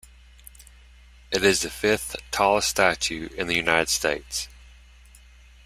It is the fifth-tallest statue in the United States.